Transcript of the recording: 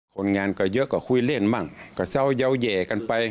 คนงานก็เยอะก็คุยเล่นมั่งก็เศร้ายาวแห่กันไป